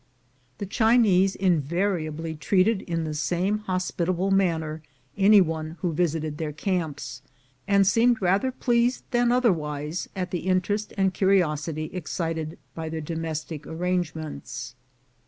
The Chinese invariably treated in the same hos pitable manner any one who visited their camps, and seemed rather pleased than otherwise at the interest and curiosity excited by their domestic arrangements.